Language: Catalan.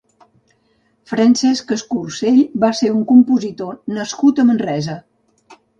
Francesc Escorsell va ser un compositor nascut a Manresa.